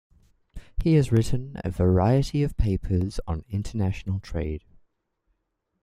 He's written a variety of papers on international trade.